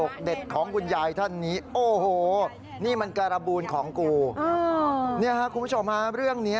ของคุณยายแน่นอนอย่าพึ่งเดี๋ยวขอสูดข้างใน